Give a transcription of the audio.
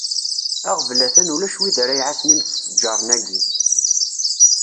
Aɣbel a-t-an ulac wid ara iɛassen imestjaren-agi.